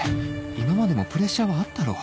今までもプレッシャーはあったろ？